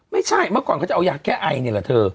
เมื่อก่อนเขาจะเอายาแก้ไอนี่แหละเธอ